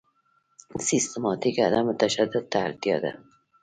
سیستماتیک عدم تشدد ته اړتیا ده.